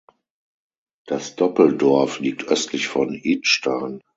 Das Doppel-Dorf liegt östlich von Idstein.